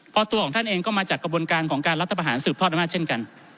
เพราะตัวของท่านเองก็มาจากกระบวนการของการรัฐประหารสืบทอดอำนาจเช่นกัน